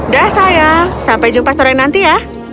dah sayang sampai jumpa sore nanti ya